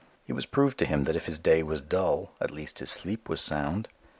It was proved to him that if his day was dull at least his sleep was sound.